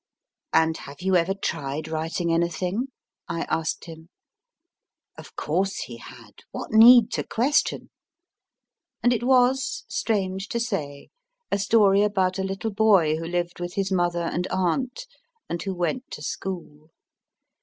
And have you ever tried writing anything ? I asked him. Of course he had, what need to question ! And it was, strange to say, a story about a little boy who lived with his mother and aunt, and who went to school.